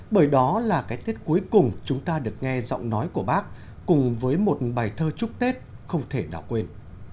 bởi đó là cái tết cuối cùng chúng ta được nghe giọng nói của bác cùng với một bài thơ chúc tết không thể nào quên